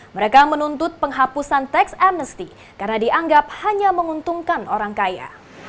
mereka menuntut penghapusan tax amnesty karena dianggap hanya menguntungkan orang kaya